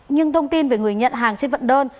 nhưng thông tin về người nhận hàng trên vận đơn